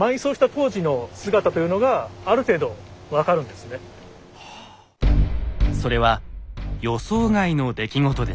ですからそれは予想外の出来事でした。